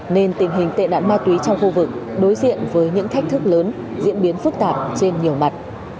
nên tình hình tệ nạn ma túy trong khu vực đối diện với những thách thức lớn diễn biến phức tạp trên nhiều mặt